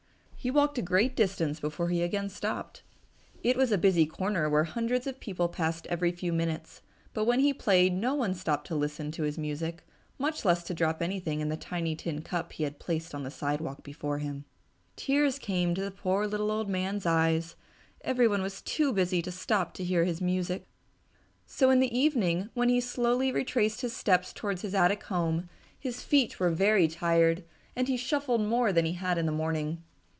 He walked a great distance before he again stopped. It was a busy corner where hundreds of people passed every few minutes, but when he played no one stopped to listen to his music, much less to drop anything in the tiny tin cup he had placed on the sidewalk before him. Tears came to the poor little old man's eyes; everyone was too busy to stop to hear his music. So in the evening when he slowly retraced his steps towards his attic home, his feet were very tired and he shuffled more than he had in the morning.